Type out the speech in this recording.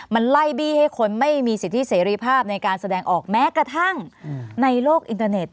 มันไล่บี้ให้คนไม่มีสิทธิเสรีภาพในการแสดงออกแม้กระทั่งในโลกอินเทอร์เน็ต